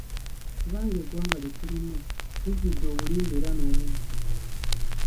Kubanga eggwanga lye tulimu lijjudde obulimba era nobubbi.